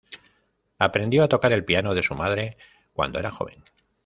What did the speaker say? Aprendió a tocar el piano de su madre cuando era joven.